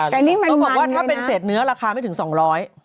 แต่นี่มันก็บอกว่าถ้าเป็นเศษเนื้อราคาไม่ถึง๒๐๐บาท